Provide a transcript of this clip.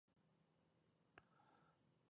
او هر څوک چې د ډونالډ کنوت په څیر جامې اغوندي